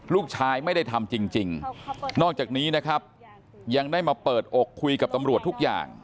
ลูกชายไม่ได้ทำจริงนอกจากนี้นะครับยังได้มาเปิดอกคุยกับตำรวจทุกอย่าง